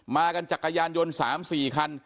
มากันจักรยานยนต์๓๔คัน